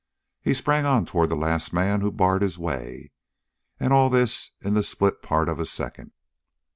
He sprang on toward the last man who barred his way. And all this in the split part of a second.